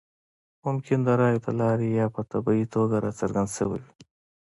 ممکن د رایو له لارې یا په طبیعي توګه راڅرګند شوی وي.